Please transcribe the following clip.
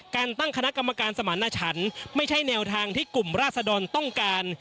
การตั้งคณะกรรมการสมารณชันไม่ใช่แนวทางที่กลุ่มราศดรต้องการ